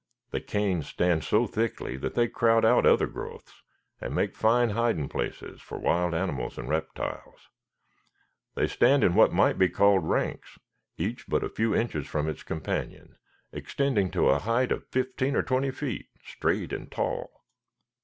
The canes stand so thickly that they crowd out other growths and make fine hiding places for wild animals and reptiles. They stand in what might be called ranks, each but a few inches from its companion, extending to a height of fifteen or twenty feet, straight and tall."